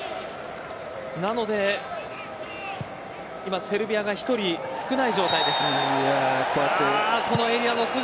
なので、今セルビアが１人少ない状態です。